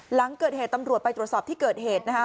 หลังเกิดเหตุตำรวจไปตรวจสอบที่เกิดเหตุนะคะ